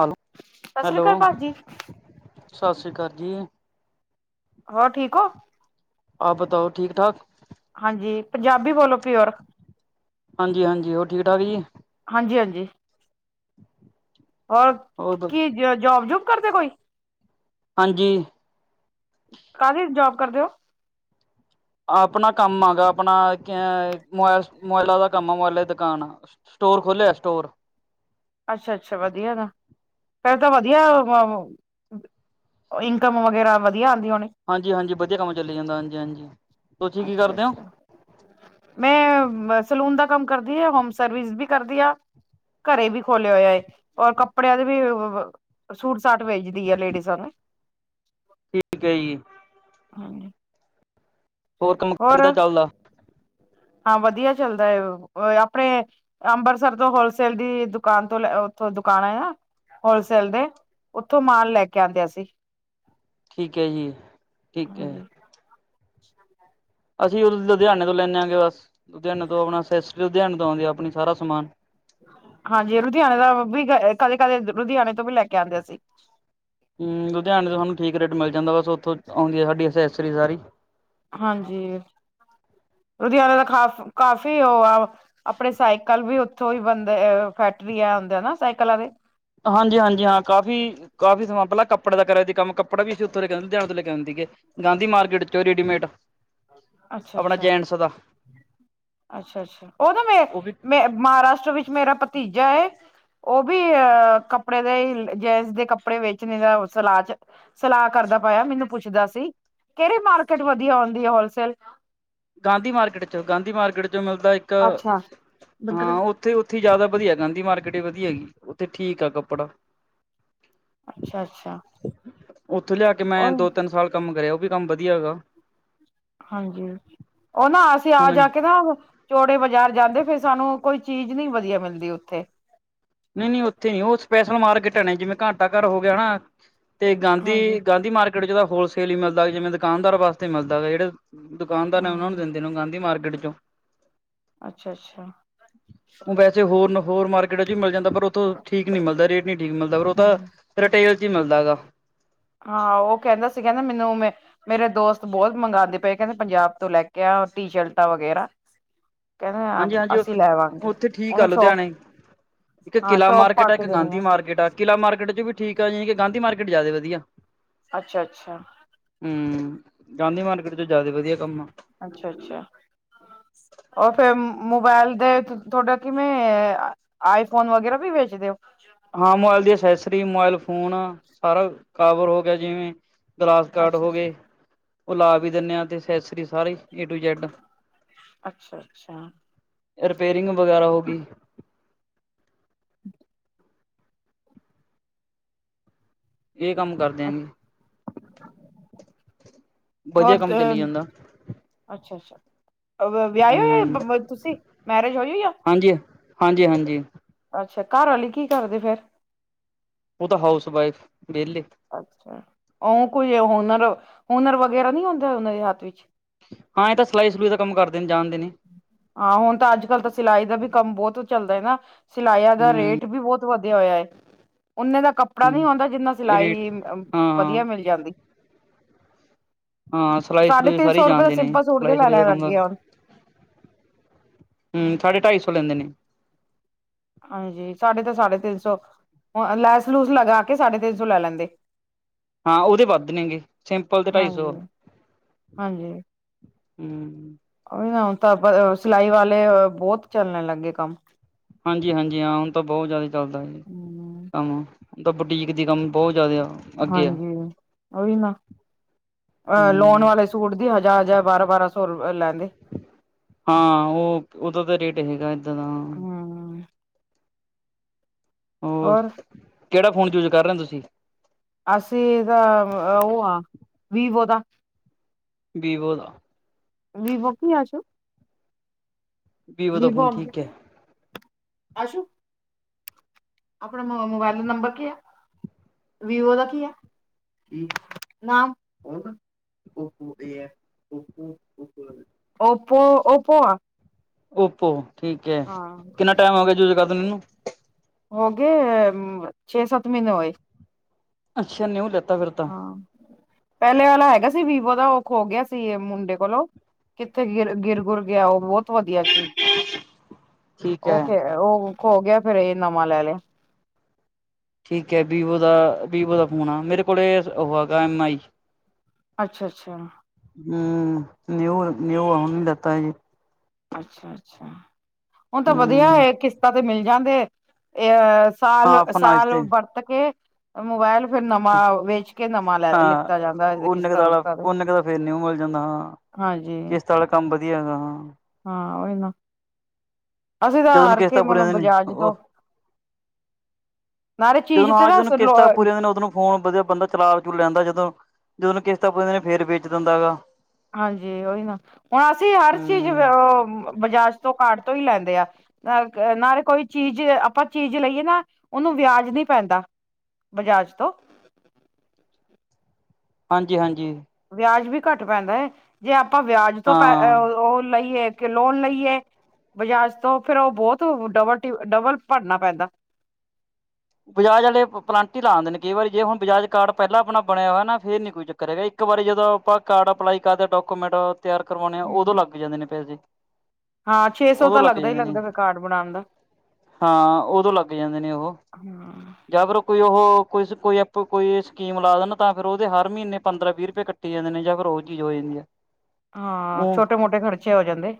Hello, ਸਤਿ ਸ੍ਰੀ hello ਅਕਾਲ ਭਾਜੀ ਸਸ਼ ਰੀ ਕਾਰ ਜੀ। ਹੋਰ ਠੀਕ ਓਂ। ਆਪ ਬਤਾਓ ਠੀਕ-ਠਾਕ। ਹਾਂਜੀ ਪੰਜਾਬੀ ਬੋਲੋ ਪਿਓਰ। ਹਾਂਜੀ-ਹਾਂਜੀ, ਹੋਰ ਠੀਕ-ਠਾਕ ਜੀ। ਹਾਂਜੀ-ਹਾਂਜੀ। ਹੋਰ, ਹੋਰ ਕੀ ਜੋਬ-ਜੁਬ ਕਰਦੇ ਕੋਈ ਹਾਂਜੀ। ਕਾਦੀ ਜੋਬ ਕਰਦੇ ਓਂ। ਆਪਨਾ ਕੰਮ ਆ ਗਾ ਆਪਨਾ ਕੈਂ ਮੋਬਾਇਲਾਂ ਦਾ ਕੰਮ ਆ ਮੋਬਾਇਲਾਂ ਦੀ ਦੁਕਾਨ ਆ। ਸਟੋਰ ਖੋਲੇਆ ਸਟੋਰ। ਅੱਛਾ-ਅੱਛਾ ਵਦੀਆ ਨਾ, ਫੇਰ ਤਾਂ ਵਦੀਆ [unintelligible] ਔ ਇਨਕਮ ਵਗੈਰਾ ਵਦੀਆ ਆਂਦੀ ਹੋਨੀ। ਹਾਂਜੀ-ਹਾਂਜੀ ਵਦੀਆ ਕੰਮ ਚੱਲੀ ਜਾਂਦਾ ਹਾਂਜੀ-ਹਾਂਜੀ, ਤੁਸੀਂ ਕੀ ਅੱਛਾ ਕਰਦੇ ਓਂ। ਅੱਛਾ ਮੈਂ ਸਲੂਨ ਦਾ ਕੰਮ ਕਰਦੀ ਆਂ, ਹੋਮ ਸਰਵਿਸ ਵੀ ਕਰਦੀ ਆਂ। ਘਰੇਂ ਵੀ ਖੋਲਿਆ ਹੋਇਆ ਏ ਔਰ ਕੱਪੜਿਆਂ ਦੇ ਵੀ ਵ-ਵ ਸੂਟ ਸਾਟ ਵੇਚਦੀ ਏ ਲੇਡੀਜ਼ਾਂ ਦੇ। ਠੀਕ ਐ ਜੀ। ਹਾਂਜੀ। ਹੋਰ ਕੰਮਕਾਰ ਕਿੱਦਾਂ ਚੱਲਦਾ। ਹਾਂ ਵਦੀਆ ਚੱਲਦਾ ਐ ਆਪਨੇ ਅੰਬਰਸਰ ਤੋਂ ਹੋਲਸੇਲ ਦੀ ਦੁਕਾਨ ਤੋਂ ਲੈ ਓਥੋਂ ਦੁਕਾਨ ਐ ਨਾ ਹੋਲਸੇਲ ਦੇ, ਓਥੋਂ ਮਾਲ ਲੈ ਕੇ ਆਂਦੇ ਆਂ ਅਸੀ। ਠੀਕ ਐ ਜੀ, ਠੀਕ ਐ। ਹਾਂਜੀ ਅਸੀਂ ਓ ਲੁਧਿਆਨੇ ਤੋਂ ਲੈਂਨੇ ਆਂਗੇ ਬਸ, ਲੁਧਿਆਣੇ ਤੋਂ ਆਪਨਾ ਅਸੈਸ ਲੁਧਿਆਨੇ ਤੋਂ ਔਂਦੀ ਆ ਆਪਨਾ ਸਾਰਾ ਸਮਾਨ। ਹਾਂਜੀ ਲੁਧਿਆਨੇ ਦਾ ਵੀ ਕਦੇ-ਕਦੇ ਲੁਧਿਆਨੇ ਤੋਂ ਵੀ ਲੈ ਕੇ ਆਂਦੇ ਅਸੀ। ਹੂੰ ਲੁਧਿਆਨੇ ਤੋਂ ਸਾਨੂੰ ਠੀਕ ਰੇਟ ਮਿਲ ਜਾਂਦਾ ਬਸ ਓਥੋਂ ਔਂਦੀ ਐ ਸਾਡੀ ਅਸੈਸਰੀ ਸਾਰੀ। ਹਾਂਜੀ, ਲੁਧਿਆਨੇ ਦਾ ਖਾਫ ਕਾਫੀ ਓ ਆ ਆਪਨੇ ਸਾਈਕਲ ਵੀ ਓਥੋਂ ਈ ਬਨਦੇ, ਅ ਫੈਕਟਰੀ ਆ ਔਂਦੇ ਨਾ ਸਾਈਕਲਾਂ ਦੀ। ਹਾਂਜੀ-ਹਾਂਜੀ ਹਾਂ ਕਾਫ਼ੀ ਕਾਫ਼ੀ ਸਮਾਂ ਪੈਲਾ ਕੱਪੜੇ ਦਾ ਕਰਿਆ ਤੀ ਕੰਮ ਕੱਪੜਾ ਵੀ ਅਸੀ ਓਥੋਂ ਲੈ ਕੇ ਔਂਦੇ ਲੁਧਿਆਨੇ ਤੋਂ ਲੈ ਕੇ ਔਂਦੇ ਸੀਗੇ। ਗਾਂਧੀ ਮਾਰਕੀਟ ਚੋਂ ਰੇਡੀਮੇਡ, ਅੱਛਾ ਆਪਨਾ ਅੱਛਾ ਜੈਂਟਸ ਦਾ। ਅੱਛਾ-ਅੱਛਾ ਓ ਨਾ ਮੇ, ਉਹ ਵੀ ਮੈ ਮਹਾਰਾਸ਼ਟਰ ਵਿੱਚ ਮੇਰਾ ਭਤੀਜਾ ਏ। ਉਹ ਵੀ ਅਹ, ਕੱਪੜੇ ਦੇ ਹੀ ਜੇਂਟਸ ਦੇ ਕੱਪੜੇ ਵੇਚਣੇ ਦਾ ਔ ਸਰਾਂ ਚ ਸਲਾਹ ਕਰਦਾ ਪਇਆ, ਮੈਨੂੰ ਪੁੱਛਦਾ ਸੀ ਕਿਹੜੀ ਮਾਰਕੀਟ ਵਧੀਆਂ ਹੁੰਦੀ ਐ ਹੋਲਸੇਲ ਗਾਂਧੀ ਮਾਰਕੀਟ ਚੋਂ, ਗਾਂਧੀ ਮਾਰਕੀਟ ਚੋਂ ਮਿਲਦਾ ਇੱਕ ਅੱਛਾ। ਹਾਂ ਔ ਤੇ ਉੱਥੇ ਜ਼ਿਆਦਾ ਵਧੀਆਂ, ਗਾਂਧੀ ਮਾਰਕੀਟ ਵੀ ਵਧੀਆਂ ਹੈਗੀ ਉੱਥੇ ਠੀਕ ਆ ਕੱਪੜਾ ਅੱਛਾ-ਅੱਛਾ ਉੱਥੋਂ ਲ਼ਿਆ ਕੇ ਮੈਂ ਦੋ ਉਹ -ਤਿੰਨ ਸਾਲ ਕੰਮ ਕਰਿਆਂ, ਉਹ ਵੀ ਕੰਮ ਵਧੀਆਂ ਹੈਗਾ। ਹਾਂਜੀ, ਉਹ ਨਾ ਅਸੀਂ ਆ ਹੁਣ ਜਾ ਕੇ ਨਾ ਚੌੜੇ ਬਾਜ਼ਾਰ ਜਾਂਦੇ, ਫਿਰ ਸਾਨੂੰ ਕੋਈ ਚੀਜ਼ ਨੀ ਵਧੀਆ ਮਿਲਦੀ ਉੱਥੇ ਨਹੀਂ -ਨਹੀਂ ਉੱਥੇ ਨੀ ਉਹ ਸਪੈਸ਼ਲ ਮਾਰਕੀਟ ਐ ਨਾ ਜਿਵੇਂ ਘੰਟਾ ਘਰ ਹੋ ਗਿਆ ਨਾ ਤੇ ਹਾਂਜੀ ਗਾਂਧੀ- ਗਾਂਧੀ ਮਾਰਕੀਟ ਚ ਜਾਦਾ ਹੋਲਸੇਲ ਹੀ ਮਿਲਦਾ ਜਿਵੇਂ ਦੁਕਾਨਦਾਰ ਵਾਸਤੇ ਮਿਲਦਾ ਹੈਗਾ ਜਿਹੜੇ ਦੁਕਾਨਦਾਰ ਨੇ ਉਹਨਾ ਹਾਂ ਨੂੰ ਦਿੰਦੇ ਨੇ ਉਹ ਗਾਂਧੀ ਮਾਰਕੀਟ ਚੋਂ ਅੱਛਾ -ਅੱਛਾ। ਤੇ ਹੋਰ ਨੂ ਹੋਰ ਮਾਰਕੀਟ ਚ ਵੀ ਮਿਲ ਜਾਂਦਾ, ਪਰ ਉੱਥੋਂ ਠੀਕ ਨੀ ਮਿਲਦਾ ਰੇਟ ਨੀ ਠੀਕ ਮਿਲਦਾ ਪਰ ਉਹ ਤਾਂ ਹਾਂ ਰਿਟੇਲ ਚ ਈ ਮਿਲਦਾ ਹੈਗਾ ਹਾਂ, ਉਹ ਕਹਿੰਦਾ ਸੀਗਾ ਨਾ ਮੈਂਨੂੰ ਉਮੇ ਮੇਰੇ ਦੋਸਤ ਬਹੁਤ ਮੰਗਾਦੇ ਪਏ, ਕਹਿੰਦੇ ਪੰਜਾਬ ਤੋਂ ਲੈ ਕੇ ਆ ਟੀ- ਸ਼ਰਟਾਂ ਵਗੈਰਾ ਕਹਿੰਦੇ ਹਾਂਜੀ -ਹਾਂਜੀ ਉ, ਅਸੀਂ ਲੈਵਾਂਗੇ ਉੱਥੇ ਠੀਕ ਆ ਉਹਨੂੰ ਸ਼ੋਪ ਲੁਧਿਆਣੇ ਇੱਕ ਹਾਂ ਕਿੱਲਾ ਸ਼ੋਪ ਪਾ ਮਾਰਕੀਟ ਆ ਕੇ ਇੱਕ ਦੇਣੀ ਗਾਂਧੀ ਮਾਰਕੀਟ ਆ ਕਿੱਲਾ ਮਾਰਕੀਟ ਚ ਵੀ ਠੀਕ ਆ ਜੀ, ਲ਼ੇਕਿਨ ਗਾਂਧੀ ਮਾਰਕੀਟ ਜ਼ਿਆਦੇ ਵਧੀਆਂ। ਅੱਛਾ -ਅੱਛਾ। ਹੂੰ, ਗਾਂਧੀ ਮਾਰਕੀਟ ਚ ਜ਼ਿਆਦੇ ਵਧੀਆਂ ਕੰਮ ਆ ਅੱਛਾ -ਅੱਛਾ। ਓਰ ਫਿਰ ਮੋਬਾਇਲ ਤੇ ਤੁਹਾਡਾ ਕਿਵੇਂ ਐ ਆਈਂ ਫ਼ੋਨ ਵਗ਼ੈਰਾ ਵੀ ਵੇਚਦੇ ਔ ਹਾਂ ਮੋਬਾਇਲ ਦੀ ਅਸੈਸਰੀ, ਮੋਬਾਇਲ ਫ਼ੋਨ ਸਾਰਾਂ ਕਵਰ ਹੋ ਗਿਆਂ ਜਿਵੇਂ ਗਲਾਸ ਗਾਰਡ ਅੱਛਾ ਅੱਛਾ ਹੋਗੇ, ਉਹ ਲਾ ਵੀ ਦਿੰਨੇ ਆਂ ਤੇ ਅਸੈਸਰੀ ਸਾਰੀ ਏ ਟੂ ਜੈਡ ਅੱਛਾ- ਅੱਛਾ। ਰਿਪੇਰਿੰਗ ਵਗ਼ੈਰਾ ਹੋਗੀ [inaudible] ਏ ਕੰਮ ਕਰਦੇ ਆਂ ਜੀ, ਹੋਰ ਵਧੀਆਂ ਕੰਮ ਚੱਲੀ ਜਾਂਦਾ। ਅੱਛਾ- ਅੱਛਾ ਵਿਆਏ ਹੋਏ ਹਮ ਪ ਤੁਸੀਂ ਮੈਰਿਜ ਹੋਈ- ਹੋਈ ਆ। ਹਾਂਜੀ ਹਾਂਜੀ- ਹਾਂਜੀ। ਅੱਛਾ, ਘਰ ਆਲੀ ਕੀ ਕਰਦੇਂ ਫ਼ਿਰ ਉਹ ਤਾ ਹਾਊਸ ਵਾਈਫ ਵਿਹਲੇ ਅੱਛਾ, ਉਹ ਕੋਈ ਹੁਨਰ- ਹੁਨਰ ਵਗੈਰਾ ਨੀਂ ੳਦੇ ਉਹਨਾਂ ਦੇ ਹੱਥ ਵਿੱਚ ਹਾਂ, ਏ ਤਾਂ ਸਿਲਾਈ ਸਲੂਈ ਦਾ ਕੰਮ ਕਰਦੇ ਨੇ ਜਾਣਦੇ ਨੇ ਹਾਂ, ਹੁਣ ਤਾਂ ਅੱਜ ਕੱਲ ਤਾਂ ਸਿਲਾਈ ਦਾ ਵੀ ਕੰਮ ਬਹੁਤ ਚੱਲਦਾ ਏ ਨਾ ਸਿਲਾਈਆਂ ਦਾ ਹੂੰ ਰੇਟ ਵੀ ਬਹੁਤ ਵਧੀਆਂ ਹੋਇਆਂਂ ਏ, ਓਨੇ ਦਾ ਕੱਪੜਾ ਨੀ ਹੂੰ ਆਉਂਦਾ ਜਿੰਨਾ ਰੇਟ ਸਿਲਾਈ ਹਾਂ ਵਧੀਆ ਮਿਲ ਜਾਂਦੀ ਹਾਂ ਸਿਲਾਈ ਸਾਢੇ ਸਲੂਈ ਤਿੰਨ ਸਾਰੀ ਸੌ ਰੁਪਏ ਦਾ ਜਾਣਦੇ ਨੇ, ਸਿੰਪਲ ਸੂਟ ਦੇ ਸਿਲਾਈ ਲੈ ਸੁਲਈ ਦਾ ਲੈਣ ਕੰਮ ਲੱਗੇ ਹੁਣ ਹੂੰ, ਸਾਢੇ ਢਾਈ ਸੌ ਲੈਂਦੇ ਨੇ। ਹਾਂਜੀ, ਸਾਢੇ ਤਾਂ ਸਾਢੇ ਤਿੰਨ ਸੌ ਲੈਸ ਲੂਸ ਲਗਾਂ ਕੇ ਸਾਢੇ ਤਿੰਨ ਸੌ ਲੈ ਲੈਂਦੇਂ। ਹਾਂ ਉਹਦੇ ਵੱਧ ਨੇ ਗੇ, ਸਿੰਪਲ ਦੇ ਢਾਈ ਹਾਂਜੀ ਸੌ‌ ਆ ਹਾਂਜੀ ਹੂੰ। ਉਹੀ ਹੁਣ ਤਾਂ ਸਿਲਾਈ ਵਾਲੇ ਬਹੁਤ ਚੱਲਣ ਲੱਗ ਗੇ ਕੰਮ ਹਾਂਜੀ-ਹਾਂਜੀ ਹਾਂ ਹੁਣ ਤਾਂ ਬਹੁਤ ਜ਼ਿਆਦਾ ਚੱਲਦਾ ਏ ਹਮ ਕੰਮ ਦਾ ਬੁਟੀਕ ਦੀ ਕੰਮ ਬਹੁਤ ਜ਼ਿਆਦੇ ਆ। ਹਾਂਜੀ ਉਹੀ ਨਾ ਅ ਲੋਣ ਹੂੰ ਵਾਲੇ ਸੂਟ ਦੀ ਹਜ਼ਾਰ-ਹਜ਼ਾਰ, ਬਾਰਾਂ-ਬਾਰਾਂ ਸੌ ਲੈਂਦੇ। ਹਾਂ, ਉਹ ਉਹਦਾ ਦਾ ਰੇਟ ਹੈਗਾ ਏਦਾਂ ਦਾ। ਹਮ ਹੋਰ, ਕਿਹੜਾ ਫੋਨ ਯੂਜ ਕਰ ਰਹੇ ਹੋ ਤੁਸੀਂ? ਅਸੀਂ ਦਾ ਉਹ ਆ, ਵੀਵੋ ਦਾ। ਵੀਵੋ ਦਾ। ਵੀਵੋ ਕੀ [unintelligible] ਦਾ ਵੀਵੋ। ਫੋਨ ਠੀਕ ਹੈ ਆਸੂ ਆਪਣਾ ਮੋਬਾਇਲ ਨੰਬਰ ਕੀ ਆ? ਵੀਵੋ ਦਾ ਕੀ ਆ, ਨਾਮ? [inaudible] [unintelligible] ਓਪੋ, ਓਪੋ ਆ। ਓਪੋ, ਠੀਕ ਹੈ। ਹਾਂ ਕਿੰਨਾ ਟਾਈਮ ਹੋ ਗਿਆ ਯੂਜ ਕਰਦਿਆਂ ਨੂੰ ਇਹਨੂੰ? ਹੋਗੇ ਛੇ ਸੱਤ ਮਹੀਨੇ ਹੋਏ। ਅੱਛਾ ਨਿਊ ਲੈਤਾ ਫਿਰ ਤਾਂ ਹਾਂ। ਪਹਿਲੇ ਆਲਾ ਹੈਗਾ ਸੀ ਵੀਵੋ ਦਾ ਉਹ ਖੋ ਗਿਆ ਸੀ ਮੁੰਡੇ ਕੋਲੋਂ। ਕਿੱਥੇ ਗਿਰ- ਗਿਰ, ਗੁਰ ਗਿਆ। ਉਹ ਬਹੁਤ ਵਧੀਆ ਸੀ, ਠੀਕ ਉਹ ਹੈ ਖੇ ਉਹ ਖੋ ਗਿਆ ਫਿਰ ਇਹ ਨਵਾਂ ਲੈ ਲਿਆ। ਠੀਕ ਹੈ, ਵੀਵੋ ਦਾ ਵੀਵੋ ਦਾ ਫੋਨ ਆ, ਮੇਰੇ ਕੋਲ ਉਹ ਹੈਗਾ ਐਮ ਆਈ। ਅੱਛਾ-ਅੱਛਾ। ਹਮ, ਨਊ- ਨਊ ਆ ਹੁਣੀ ਲਤਾ ਹਜੇ ਅੱਛਾ-ਅੱਛਾ ਹੁਣ ਤਾਂ ਵਧੀਆ ਹੂੰ ਏ ਕਿਸ਼ਤਾਂ ਤੇ ਮਿਲ ਜਾਂਦੇ ਅ ਸਾਲ, ਹਾਂ ਫਨਾਇਸ਼ ਸਾਲ ਤੇ ਵਰਤ ਕੇ ਮੋਬਾਇਲ ਫਿਰ ਨਵਾਂ ਵੇਚ ਕੇ ਨਵਾਂ ਲੈ ਹਾਂ ਲਿੱਤਾ ਜਾਂਦਾ ਓਨੇ ਕੁ ਕਿਸ਼ਤਾ ਦਾ ਆਲਾ ਕੁਸਤਾ ਤੇ ਓਨੇ ਕੁ ਦਾ ਫੇਰ ਨਿਊ ਮਿਲ ਜਾਂਦਾ ਹਾਂ। ਹਾਂਜੀ। ਕਿਸ਼ਤ ਵਾਲਾ ਕੰਮ ਵਧੀਆ ਹੈਗਾ ਹਾਂ। ਹਾਂ, ਓਹੀ ਨਾ ਅਸੀਂ ਤਾਂ ਜਦੋਂ ਨੂੰ ਹਾਰ ਕੇ ਕਿਸ਼ਤਾਂ ਪੂਰੀਆਂ ਮਤਲਬ ਹੁੰਦੀਆਂ ਨੇ ਬਜਾਜ ਉਹ ਤੋਂ ਨਾਲੇ ਜਦੋਂ ਚੀਜ਼ ਨੂੰ, ਤੇ ਹਾਂ ਨਾ ਜਦੋਂ ਨੂੰ ਲੋ ਕਿਸ਼ਤਾਂ ਪੂਰੀਆਂ ਹੁੰਦੀਆਂ ਨੇ ਉਦੋਂ ਨੂੰ ਫੋਨ ਵਧੀਆ ਬੰਦਾ ਚਲਾ ਚਲੂ ਲੈਂਦਾ ਜਦੋਂ ਜਦੋਂ ਨੂੰ ਕਿਸ਼ਤਾਂ ਪੁਰੀਆ ਹੁੰਦੀਆਂ ਨੇ ਫੇਰ ਵੇਚ ਦਿੰਦਾ ਹੈਗਾ। ਹਾਂਜੀ, ਉਹੀ ਨਾ ਹੁਣ ਅਸੀਂ ਹਰ ਚੀਜ਼ ਹੂੰ ਬਜਾਜ ਤੋਂ ਕਾਰਟ ਤੋਂ ਹੀ ਲੈਂਦੇ ਆ ਨਾਲ ਨਾਲੇ ਕੋਈ ਚੀਜ਼ ਆਪਾਂ ਚੀਜ਼ ਲਈਏ ਨਾ ਉਹਨੂੰ ਵਿਆਜ ਨੀਂ ਪੈਂਦਾ ਬਜਾਜ ਤੋਂ। ਹਾਂਜੀ ਹਾਂਜੀ। ਵਿਆਜ ਵੀ ਘੱਟ ਪੈਂਦਾ ਹੈ, ਜੇ ਆਪਾਂ ਵਿਆਜ ਤੋਂ ਹਾਂ ਉਹ ਲਈਏ ਲੋਨ ਲਈਏ ਬਜਾਜ ਤੋਂ ਫਿਰ ਉਹ ਬਹੁਤ ਡਬਲ ਡਬਲ ਭਰਨਾ ਪੈਂਦਾ। ਬਜਾਜ ਵਾਲੇ ਪਲਾਂਨਟੀ ਲਾ ਦਿੰਦੇ ਨੇ ਕਈ ਵਾਰੀ, ਜੇ ਹੁਣ ਬਜਾਜ ਕਾਰਡ ਪਹਿਲਾਂ ਆਪਣਾ ਬਣਿਆ ਹੋਇਆ ਨਾ ਫੇਰ ਨੀ ਕੋਈ ਚੱਕ ਕਰੇ ਇੱਕ ਵਾਰੀ ਜਦੋਂ ਆਪਾਂ ਕਾਰਡ ਅਪਲਾਈ ਕਰਦੇ ਡਾਕੂਮੈਂਟ ਤਿਆਰ ਕਰਵਾਉਣੇ ਆ ਉਦੋਂ ਲੱਗ ਜਾਂਦੇ ਨੇ ਪੈਸੇ। ਹਾਂ ਛੇ ਸੌ ਉਦੋਂ ਤਾਂ ਲੱਗ ਲੱਗਦਾ ਹੀ ਜਾਂਦੇ ਨੇ ਲੱਗਦਾ ਫਿਰ ਕਾਰਡ ਬਣਾਉਣ ਦਾ ਹਾਂ, ਉਦੋਂ ਲੱਗ ਜਾਂਦੇ ਨੇ ਉਹੋ [inaudible] ਜਾਂ ਫਿਰ ਕੋਈ ਉਹ ਕੋਈ ਕੋਈ ਸਕੀਮ ਲਾ ਦੇਣ ਤਾਂ ਫ਼ਿਰ ਉਹਦੇ ਹਰ ਮਹੀਨੇ ਪੰਦਰਾਂ ਵੀਹ ਰੁਪਏ ਕੱ ਟੇ ਜਾਣੇ ਨੇ ਜਾਂ ਫਿਰ ਉਹ ਚੀਜ਼ ਹੋ ਜਾਂਦੀ ਆ। ਹਾਂ, ਉਹ ਛੋਟੇ ਮੋਟੇ ਖਰਚੇ ਹੋ ਜਾਂਦੇ।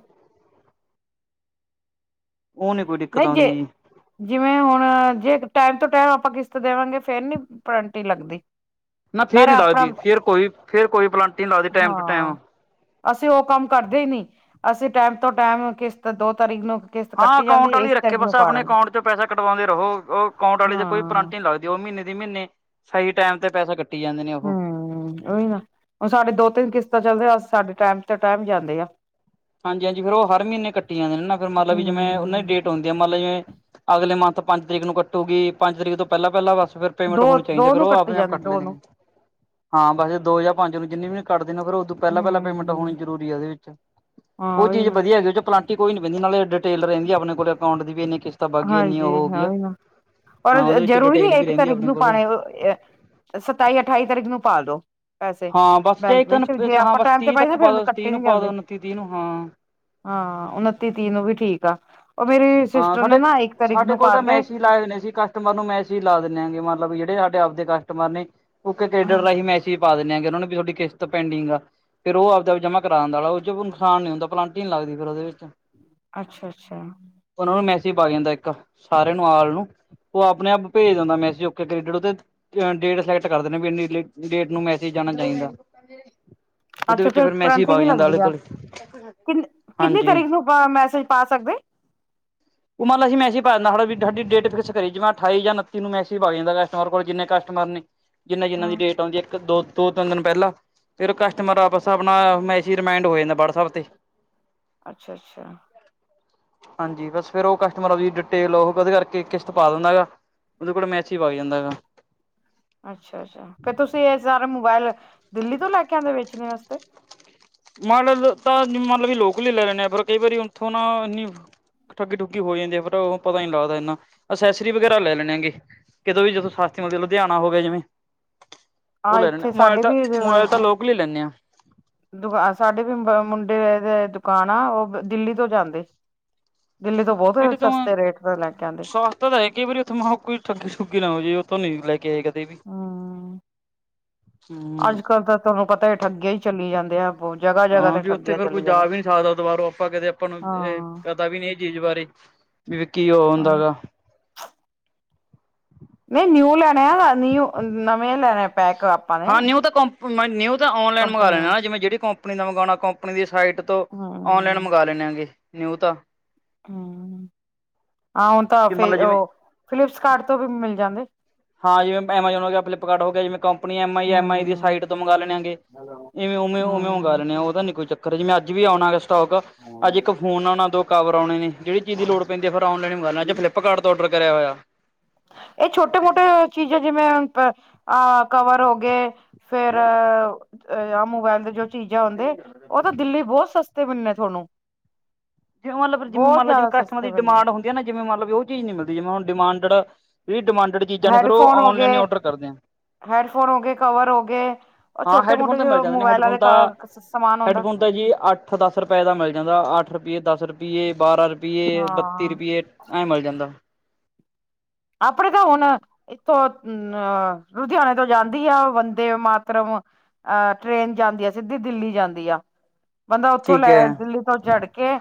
[unintelligible] ਨਹੀਂ ਜੇ ਆਉਂਦੀ ਜੀ ਜਿਵੇਂ ਹੁਣ ਜੇ ਟਾਈਮ ਤੋਂ ਟਾਈਮ ਆਪਾਂ ਕਿਸ਼ਤ ਦੇਵਾਂਗੇ ਫੇਰ ਨੀ ਪਨੇਲਟੀ ਲੱਗਦੀ। ਨਾ ਫੇਰ ਨਾਲੇ ਨੀ ਆਪਣਾ ਲੱਗਦੀ, ਫੇਰ ਕੋਈ ਫੇਰ ਕੋਈ ਪਨੇਲਟੀ ਨੀ ਲੱਗਦੀ ਟਾਈਮ ਟੂ ਹਾਂ ਟਾਈਮ। ਅਸੀਂ ਉਹ ਕੰਮ ਕਰਦੇ ਈ ਨੀ, ਅਸੀਂ ਟਾਈਮ ਤੋਂ ਟਾਈਮ ਕਿਸ਼ਤ ਦੋ ਤਾਰੀਕ ਨੂੰ ਕਿਸ਼ਤ ਕੱਟ ਹਾਂ ਅਕਾਊਂਟ ਵਾਲੀ ਰੱਖੇ, ਬਸ ਆਪਣੇ ਅਕਾਂਟ ਚੋਂ ਪੈਸਾ ਕਟਵਾਉਂਦੇ ਰਹੋ ਉਹ ਅਕਾਊਂਟ ਵਾਲ ਚ ਕੋਈ ਹਾਂ ਪਨੇਲਟੀ ਲੱਗਦੀ, ਉਹ ਮਹੀਨੇ ਦੀ ਮਹੀਨੇ ਸਹੀ ਟਾਈਮ ਤੇ ਪੈਸਾ ਕੱਟੀ ਜਾਂਦੇ ਨੇ ਉਹ। ਓਹੀ ਨਾ, ਹੁਣ ਸਾਡੇ ਦੋ ਤਿੰਨ ਕਿਸ਼ਤਾਂ ਚੱਲਦੇ ਸਾਡੇ ਟਾਈਮ ਤੇ ਟਾਈਮ ਜਾਂਦੇ ਆ ਹਾਂਜੀ ਹਾਂਜੀ ਫੇ ਉਹ ਹਰ ਮਹੀਨੇ ਕੱਟੀ ਜਾਂਦੇ ਨੇ, ਨਾ ਫਿਰ ਮਤਲਬ ਜਿਵੇਂ ਉਹਨਾਂ ਹਮ ਡੇਟ ਹਦੀ ਮਤਲਬ ਜਿਵੇਂ ਅਗਲੇ ਮੰਥ ਪੰਜ ਤਰੀਕ ਨੂੰ ਕੱਟੂਗੀ, ਪੰਜ ਤਰੀਕ ਤੋਂ ਪਹਿਲਾਂ ਪਹਿਲਾਂ ਬਸ ਫ਼ਿਰ ਪੇਮੈਂਟ ਦੋ ਹੋਣੀ ਚਾਹੀਦੀ, ਦੋ ਫਿਰ ਨੂੰ ਉਹ ਕੱਟੀ ਆਪਣੇ ਆਪ ਜਾਂਦੀ ਕੱਟ ਦੋ ਲੈਂਦੇ ਨੂੰ ਨੇ। ਹਾਂ ਬਸੇ ਦੋ ਜਾਂ ਪੰਜ ਨੂੰ ਜਿੰਨੀ ਵੀ ਕੱਢਦੇ ਨੇ, ਫੇਰ ਉਦੋਂ ਪਹਿਲਾਂ ਪਹਿਲਾਂ ਪੇਮੈਂਟ ਹਮ ਹੋਣੀ ਜ਼ਰੂਰੀ ਹੈ ਉਹਦੇ ਵਿੱਚ ਹਾਂ ਉਹ ਉਹੀ ਚੀਜ਼ ਨਾ ਵਧੀਆ ਹੈਗੀ, ਉਹ ਚ ਪਨੇਲਟੀ ਕੋਈ ਨੀ ਪੈਂਦੀ, ਨਾਲੇ ਡਿੇਲ ਰਿੰਦੀ ਆਪਣੇਲ ਅਕਾਊਂ ਦੀ ਵੀ ਇੰਨੀੇ ਹਾਂਜੀ ਹਾਂ ਨਾ, ਔਰ ਹਾਂ ਉਹਦੇ ਵਿੱਚ ਜ਼ਰੂਰੀ ਨੀ ਡਿਟੇਲ ਵੀ ਇੱਕ ਰਹਿੰਦੀ ਤਾਰੀਕ ਆਪਣੇ ਨੂੰ ਕੋਲੇ ਪਾਣੇ ਸਤਾਈ ਅਠਾਈ ਤਰੀਕ ਨੂੰ ਪਾ ਦੋ। ਪੈਸੇ ਹਾਂ ਬਸ ਜੇ ਬੈਂਕ ਇੱਕ ਵਿੱਚ, ਜੇ ਹਾਂ ਆਪਾਂ ਬਸ ਟਾਈਮ ਤੇ ਤੀਹ ਤੱਕ ਪਾਈਏ ਪਾ ਫਿਰ ਦੋ ਤੀਹ ਕੱਟੇ ਨੂੰ ਨੀ ਪਾ ਦੋ ਜਾਂਦੇ। ਉਨੱਤੀ ਤੀਹ ਨੂੰ ਹਾਂ ਹਾਂ ਉਨੱਤੀ ਤੀਹ ਨੂੰ ਵੀ ਠੀਕ ਆ, ਉਹ ਮੇਰੀ ਹਾਂ ਸਿਸਟਰ ਨੇ ਸਾਡੇ ਨਾ ਇੱਕ ਤਾਰੀਕ ਸਾਡੇ ਨੂੰ ਕੋਲ ਪਾ ਤਾਂ ਤੇ ਮੈਸੇਜ ਲਾਏ ਨੇ ਸੀ ਕਸਟਮਰ ਨੂੰ ਮੈਂਸਿਜ ਲਾ ਦਿੰਦੇ ਆ, ਮਤਲਬ ਜਿਹੜੇ ਸਾਡੇ ਆਪਦੇ ਕਸਟਮਰ ਨੇ ਉਥੇ ਕੇਡਰ ਹਾਂ ਰਾਹੀਂ ਮੈਸਜ ਪਾ ਦਿੰਨੇ ਆ ਕਿ ਉਹਨਾਂ ਨੂੰ ਵੀ ਤੁਹਾਡੀ ਕਿਸ਼ਤ ਪੈਂਡਿੰਗ ਆ ਫੇਰ ਓਹੋ ਆਪ ਦੇ ਆਪ ਜਮਾ ਕਰਾ ਆਂਦਾ ਆ, ਉਹਦੇ ਵਿੱਚ ਕੋਈ ਨੁਕਸਾਨ ਨਹੀਂ ਹੁੰਦਾ ਪਨਲਟੀ ਨਹੀਂ ਲੱਗਦੀ ਫੇਰ ਉਹਦੇ ਵਿੱਚ। ਅੱਛਾ ਅੱਛਾ। ਉਹਨਾਂ ਨੂੰ ਮੈਸੇਜ ਪਾ ਜਾਂਦਾ ਇੱਕ ਸਾਰਿਆਂ ਨੂੰ, ਆਲ ਨੂੰ ਉਹ ਆਪਣੇ ਆਪ ਭੇਜ ਦਿੰਦਾ ਮੈਸੇਜ [unintelligible] ਡੇਟ ਸਿਲੈਕਟ ਕਰਦੇ ਨੇ ਵੀ ਇੰਨੀ ਡੇਟ ਨੂੰ ਮੈਸੇਜ ਜਾਣਾ ਚਾਹੀਦਾ ਉਹਦੇ ਅੱਛਾ ਵਿੱਚ ਫੇਰ ਫਿਰ ਮੈਸੇਜ ਪਨਲਟੀ ਵਗ ਨਹੀਂ ਜਾਂਦਾ ਆਲੇ ਲੱਗਦੀ ਆ, ਦੁਆਲੇ ਕਿੰ ਕਿੰਨੀ ਹਾਂਜੀ ਤਾਰੀਕ ਨੂੰ ਆ ਮੈਸੇਜ ਪਾ ਸਕਦੇ? ਉਹ ਮਤਲਬ ਅਸੀਂ ਮੈਸੇਜ ਪਾ ਦੇਣਾ ਹੁਣ ਅਸੀਂ ਸਾਡੀ ਡੇਟ ਫਿਕਸ ਕਰੀ, ਜਿਵੇਂ ਅਠਾਈ ਜਾਂ ਉਨੱਤੀ ਨੂੰ ਮੈਸੇਜ ਪਾ ਦਈਦਾ ਹੈ। ਨੋਰਮਲ ਜਿੰਨੇ ਕਸਟਮਰ ਨੇ, ਜਿੰਨਾ ਜਿਨਾ ਦੀ ਹਾਂ ਡੇਟ ਆਉਂਦੀ ਹੈ ਇੱਕ ਦੋ ਦੋ ਤਿੰਨ ਦਿਨ ਪਹਿਲਾਂ ਫਿਰ ਕਸਟਮਰ ਵਾਪਸ ਆਪਣਾ ਮੈਸਿਜ ਰਿਮਾਇੰਡ ਹੋ ਜਾਂਦਾ ਵਟਸਐਪ 'ਤੇ ਅੱਛਾ ਅੱਛਾ। ਹਾਂਜੀ ਬਸ। ਫਿਰ ਉਹ ਕਸਟਮਰ ਦੀ ਡਿਟੇਲ ਉਹ ਉਹਦੇ ਕਰਕੇ ਕਿਸ਼ਤ ਪਾ ਦਿੰਦਾ ਹੈਗਾ, ਉਹਦੇ ਕੋਲ ਮੈਸ਼ਜ ਆ ਜਾਂਦਾ ਹੈਗਾ। ਅੱਛਾ ਅੱਛਾ ਫੇਰ ਤੁਸੀਂ ਇਹ ਸਾਰੇ ਮੋਬਾਇਲ ਦਿੱਲੀ ਤੋਂ ਲੈ ਕੇ ਆਉਂਦੇ ਵੇਚਣੇ ਵਾਸਤੇ? ਤੇ। ਮਨ ਲ ਤਾਂ ਮਨ ਲੋ ਵੀ ਲੋਕਲ ਵੀ ਲੈ ਲੈਨੇ ਆਂ, ਪਰ ਕਈ ਵਾਰੀ ਔਥੋਂ ਨਾ ਇਨੀ ਠੱਗੀ ਠੁੱਗੀ ਹੋ ਜਾਂਦੀ ਐ ਫੇਰ ਉਹ ਪਤਾ ਨੀ ਲੱਗਦਾ ਇੰਨਾ, ਅਸੈਸਰੀ ਵਗੈਰਾ ਲੈ ਲੈਨਗੇ। ਕਿਦੋਂ ਵੀ ਜਦੋਂ ਸ਼ਾਸਤਰੀ ਮੰਤ ਲੁਧਿਆਣਾ ਹੋ ਗਿਆ ਜਿਵੇਂ। ਔਹ ਆਹ ਲੈ ਲੈਣਾ, ਇੱਥੇ ਮੋਬਾਈਲ ਸਾਡੇ ਤਾਂ ਵੀ ਮੋਬਾਈਲ ਤਾਂ ਲੋਕਲ ਈ ਲੈਨੇ ਆਂ। ਦੁਕਾਨ ਸਾਡੇ ਵੀ ਮੁੰਡੇ ਦੇ ਦੁਕਾਨ ਆ ਔਹ ਦਿੱਲੀ ਤੋਂ ਜਾਂਦੇ। ਦਿੱਲੀ ਤੋਂ ਬਹੁਤ ਸਸਤੇ ਰੇਟ ਤੋਂ ਲੈ ਕੇ ਆਂਦੇ। ਪਤਾ ਤਾਂ ਹੈ, ਕਈ ਵਾਰੀ ਔਥੇ ਕੋਈ ਠੱਗੀ ਠੱਗੀ ਨਾ ਹੋ ਜਾਵੇ ਔਥੋਂ ਨਹੀਂ ਲੈ ਕੇ ਆਏਗਾ। ਹੂ, ਹੂੰ। ਅੱਜ ਕਲ ਤਾਂ ਤੁਹਾਨੂੰ ਪਤਾ ਹੈ ਠੱਗੀਆਂ ਹੀ ਚਲੀ ਜਾਂਦੇ ਆ। ਜਗ੍ਹਾ-ਜਗ੍ਹਾ ਹਾਂ ਤੇ ਭੀ ਔਥੇ ਠੱਗੀਆਂ ਫੇਰ ਕੋਈ ਚੱਲੀ ਜਾਂਦੇ ਜਾਵੇ, ਦੁਬਾਰੋ ਆਪਾਂ ਨੂੰ ਕਦੇ ਆਪਾਂ ਨੂੰ ਏਹ ਹਾਂ ਪਤਾ ਵੀ ਨਈ ਚੀਜ਼ ਬਾਰੇ, ਵੀ ਕੀ ਔਹ ਹੁੰਦਾ ਹੈਗਾ ਨਹੀਂ ਨਿਊ ਲੈਨੇ ਆ ਨਿਊ ਨਵੇਂ ਲੈਨੇ ਅ ਪੈਕ। ਨੇ ਹਾਂ ਨਿਊ ਤਾਂ ਕ ਨਿਊ ਤਾਂ ਔਨਲਾਈਨ ਮੰਗਵਾ ਕੰਪਨੀਆਂ ਲੈਣਾ ਆ ਜਿਵੇਂ ਜਿਹੜੀ ਕੋੰਂਪਨੀ ਦਾ ਮੰਗਉਨਾ ਕੰਪਨੀ ਦੀ ਸਾਈਡ। ਤੋਂ ਔਨ ਲਾਈਨ ਹੂੰ-ਹੂੰ ਮੰਗਾ ਲੈਨੇ ਆ ਨਿਊ ਤਾਂ। ਹੂ, ਆ ਔਹ ਤਾਂ ਮੰਨ ਫੇਰ ਲਓ ਜਿਵੇਂ ਫਿਲਿਪਸਕਾਰਡ ਤੋਂ ਵੀ ਮਿਲ ਜਾਂਦੇ। ਹਾਂ ਜਿਵੇਂ ਐਮਾਜੋਨ ਹੋ ਗਿਆ, ਫਿਲਿੱਪਕਾਰਟ ਹੋ ਗਿਆ ਜਿਵੇਂ company M I M I ਦੀ ਹਾਂ ਸਾਈਟ ਤੋਂ ਮੰਗਾ ਲੈਣੇ ਆਗੇ ਜਿਵੇਂ ਔਹ ਉਵੇਂ ਔਹ ਮਗਾ ਹਾਂ ਲੈਣੇ‌ ਆ ਉਹਦਾ ਨਈ ਕੋਈ ਚੱਕ ਜਿਵੇਂ ਅੱਜ ਵੀ ਆਉਨਾ ਗਾ ਸਟੋਕ ਅੱਜ ਇੱਕ ਫੋਨ ਆਣਾ ਦੋ ਕਾਵਰ ਆਉਣੇ ਨੇ ਜਿਹੜੀ ਚੀਜ਼ ਦੀ ਲੋੜ ਪੈਦੀ ਆ ਫੇਰ ਔਨਲਾਈਨ ਮਗਾਨਾ ਜੇ ਫਲਿੱਪਕਾਰਟ ਤੋਂ ਔਡਰ ਕਰਿਆ ਹੋਇਆ। ਏਹ ਛੋਟੇ ਮੋਟੇ ਚੀਜ਼ਾਂ ਜਿਵੇਂ ਅਹ ਕਵਰ ਹੋ ਗਏ ਫੇਰ ਅ ਮੋਬਾਇਲ ਦੇ ਜੋ ਚੀਜ਼ਾਂ ਆਉਦੇ ਔਹ ਤਾਂ ਦਿੱਲੀ ਬਹੁਤ ਸਸਤੇ ਮਿਲਨੇ ਥੋਨੂੰ। ਜਿਮੇ ਮੰਨ ਲੋ ਫੇਰ ਜਿਮੇ ਮੰਨ ਲੋ ਜਿਵੇਂ ਕੈਸਟਮਰ ਸਸਤੇ ਦੀ ਮਿਲਣੇ ਡਿਮਾਂਡ ਹੁੰ ਜਿਵੇਂ ਮਤਲਬ ਲੋ ਔਹ ਚੀਜ਼ ਨੀ ਮਿਲਦੀ ਜਿਵੇਂ ਹੁਣ ਡਿਮਾਂਡਡ ਵੀ ਡਿਮਾਂਡਡ ਚੀਜ਼ਾਂ ਨੇ ਫੇਰ ਉਹ ਹੈਡਫੋਨ ਹੋ ਔਨਲਾਈਨ ਏ ਗਏ ਔਡਰ ਕਰਦੇ ਆ। ਹੈਡਫੋਨ ਹੋ ਗਏ ਕਵਰ ਹੋ ਗਏ। ਉਹ ਹਾਂ ਛੋਟੇ ਹੈਡਫੋਨ ਮੋਟੇ ਤਾਂ ਮਿਲ ਜਾਦੇ ਨੇ ਮੋਬਾਇਲਾਂ ਹੈਡਫੋਨ ਦੇ ਤਾਂ ਸਮਾਨ ਆਉਂਦਾ ਹੈਡਫੋਨ ਤਾਂ ਜੀ ਅੱਜ ਇਕ ਸੌ ਦਸ ਰੁਪਏ ਦਾ ਮਿਲ ਜਾਂਦਾ ਅੱਠ ਰੁਪਿਏ, ਦਸ ਰੁਪਿਏ, ਬਾਰ੍ਹਾਂ ਰੁਪਿਏ, ਬੱਤੀ ਹਾਂ ਰੁਪਿਏ ਐਹ ਮਿਲ ਜਾਂਦਾ। [unintelligible] ਇਕ ਉਹ ਅ ਲੁਧਿਆਣੇ ਤੋਂ ਜਾਂਦੀ ਆ ਬੰਦੇ ਮਾਤਰਮਤ। ਅਹ ਟ੍ਰੇਨ ਜਾਂਦੀ ਆ ਸਿੱਧੀ ਦਿੱਲੀ ਜਾਂਦੀ ਆ।। ਬੰਦਾ ਉੱਥੋਂ ਠੀਕ ਲੈ ਹੈ। ਦਿੱਲੀ ਤੋਂ ਚੜ ਕੇ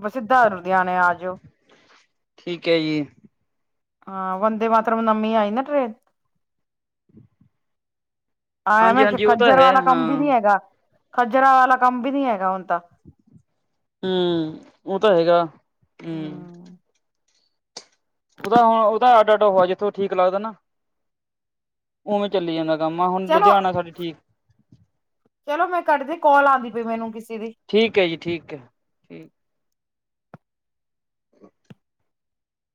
ਬਸ ਸਿੱਧਾ ਲੁਧਿਆਨੇ ਆ ਜਾਓ। ਠੀਕ ਐ ਜੀ। ਹਾਂ ਬੰਦੇ ਮਾਤਰਮ ਨਵੀ ਆਈ ਨਾ ਟ੍ਰੇਨ। ਐਹ ਆ ਹਾਂਜੀ ਨਾ ਹਾਂਜੀ ਉਹ ਤਾਂ ਖੱਜਰ ਹੈ ਵਾਲਾ ਹਾਂ ਕੰਮ ਵੀ ਨਹੀ ਹੈਗਾ। ਖੱਜਰ ਵਾਲਾ ਕੰਮ ਵੀ ਨੀ ਹੈਗਾ ਹੁਣ ਤਾਂ। ਹੂੰ ਉਹ ਤਾਂ ਹੈਗਾ। ਹਮ ਉਹ ਤਾਂ ਅੱਡ ਅੱਡ ਹੋਵਾ ਜਿਥੋ ਠੀਕ ਲੱਗਦਾ ਨਾ। ਔਵੇ ਚੱਲੀ ਜਾਂਦਾ ਕੰਮ ਹੁਣ ਚਲੋ ਲੁਧਿਆਣਾ ਸਾਡੇ ਠੀਕ ਚਲੋ ਮੈਂ ਕੱਟਦੀ ਕੋਲ ਆਂਦੀ ਪਈ ਮੈਨੂੰ ਕਿਸੀ ਦੀ। ਠੀਕ ਐ ਜੀ, ਠੀਕ ਐ